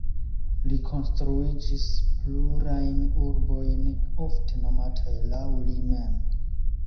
Li konstruigis plurajn urbojn, ofte nomataj laŭ li mem.